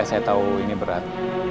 saya tahu ini berat